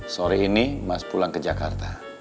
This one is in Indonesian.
sore ini mas pulang ke jakarta